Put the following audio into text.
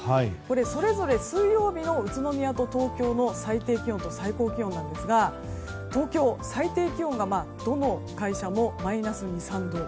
それぞれ水曜日の宇都宮と東京の最低気温と最高気温なんですが東京、最低気温がどの会社もマイナス２３度。